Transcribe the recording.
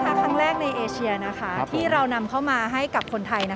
ครั้งแรกในเอเชียที่เรานำเข้ามาให้กับคนไทย